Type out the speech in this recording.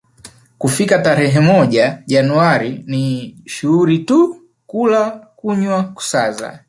kufika tarehe moja Januari ni shughuli tu kula kunywa kusaza